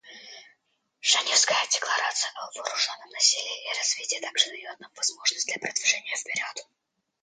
Женевская декларация о вооруженном насилии и развитии также дает нам возможность для продвижения вперед.